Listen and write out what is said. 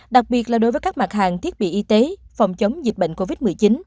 đặc biệt là đối với các mặt hàng thiết bị y tế phòng chống dịch bệnh covid một mươi chín